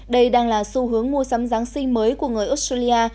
đây đang là xu hướng mua sắm giáng sinh mới của người australia